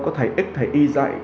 có thầy x thầy y dạy